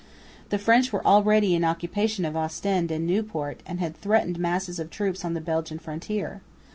The French were already in occupation of Ostend and Nieuport, and had threatening masses of troops on the Belgian frontier.